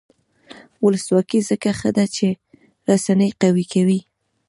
ولسواکي ځکه ښه ده چې رسنۍ قوي کوي.